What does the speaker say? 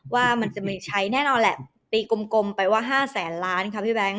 ว่ามันจะมีใช้แน่นอนแหละตีกลมกลมไปว่าห้าแสนล้านครับพี่แบงค์